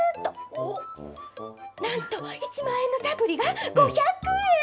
おっ、なんと１万円のサプリが５００円？